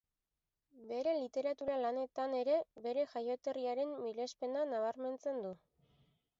Bere literatura-lanetan ere bere jaioterriaren mirespena nabarmentzen du.